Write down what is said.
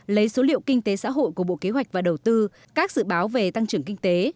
lấy số liệu kinh tế xã hội của bộ kế hoạch và đầu tư các dự báo về tăng trưởng kinh tế